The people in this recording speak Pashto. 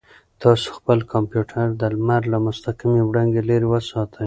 تاسو خپل کمپیوټر د لمر له مستقیمې وړانګې لرې وساتئ.